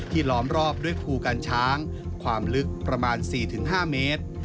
ล้อมรอบด้วยภูกันช้างความลึกประมาณ๔๕เมตร